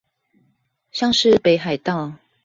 像是北海道